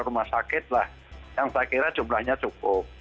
rumah sakit lah yang saya kira jumlahnya cukup